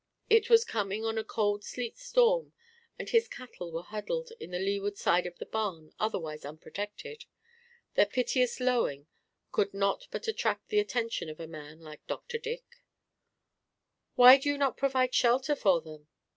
It was coming on a cold sleet storm, and his cattle were huddled on the leeward side of the barn, otherwise unprotected. Their piteous lowing could not but attract the attention of a man like Dr. Dick. "Why did you not provide shelter for them?"